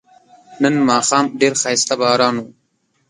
نن ماښام ډیر خایسته باران و